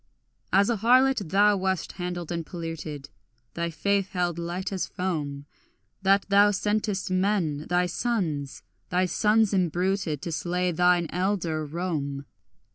As a harlot thou wast handled and polluted, Thy faith held light as foam, That thou sentest men thy sons, thy sons imbruted, To slay thine elder Rome.